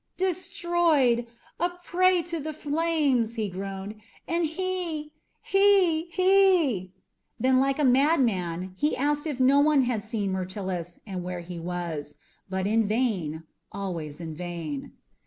"Destroyed a prey to the flames!" he groaned. "And he he he " Then like a madman he asked if no one had seen Myrtilus, and where he was; but in vain, always in vain.